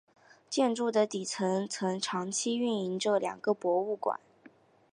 建筑的底层曾长期运营着两个博物馆。